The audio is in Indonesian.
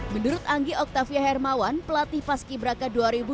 menurut anggi oktavia hermawan pelatih pas ki braka dua ribu dua puluh tiga